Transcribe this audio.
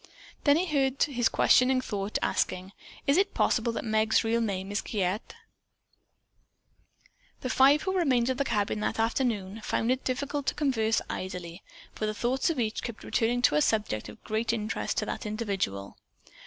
Then he heard his questioning thought asking: "Is it possible that Meg's real name is Giguette?" The five who remained at the cabin that afternoon found it difficult to converse idly, for the thoughts of each kept returning to a subject of great interest to that individual.